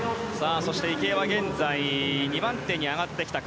池江は現在２番手に上がってきたか。